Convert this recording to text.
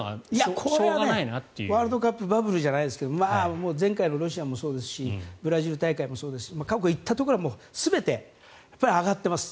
もうこれはワールドカップバブルじゃないですけど前回のロシアもそうですしブラジル大会もそうですし過去行ったところは、全て上がっています。